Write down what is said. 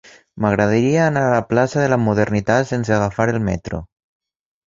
M'agradaria anar a la plaça de la Modernitat sense agafar el metro.